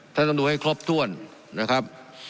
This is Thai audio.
ท่านต้องดูให้ครบถ้วนนะครับ